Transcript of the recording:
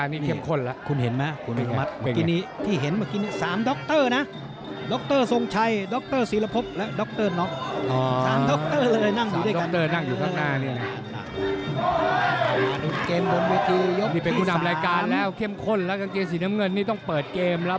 นี่เป็นผู้นำรายการแล้วเข้มข้นแล้วกางเกงสีน้ำเงินนี่ต้องเปิดเกมรับ